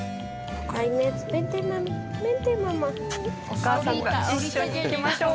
お母さんが「一緒に行きましょう。